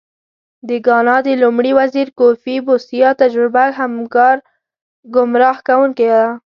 د ګانا د لومړي وزیر کوفي بوسیا تجربه ګمراه کوونکې ده.